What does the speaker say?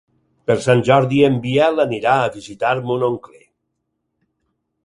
Per Sant Jordi en Biel anirà a visitar mon oncle.